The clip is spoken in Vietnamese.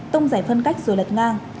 tông giải phân cách rồi lật ngang